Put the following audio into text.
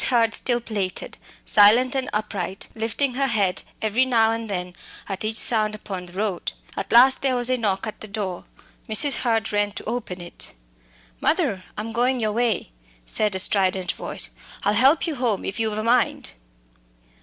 Hurd still plaited, silent and upright, lifting her head every now and then at each sound upon the road. At last there was a knock at the door. Mrs. Hurd ran to open it. "Mother, I'm going your way," said a strident voice. "I'll help you home if you've a mind."